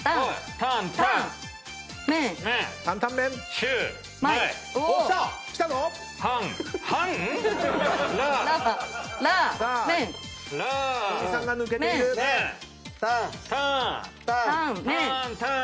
タンタン。